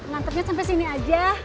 nantepnya sampai sini aja